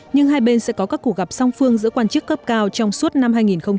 nhưng hai bên sẽ có các cuộc gặp song phương giữa quan chức cấp cao trong suốt năm hai nghìn hai mươi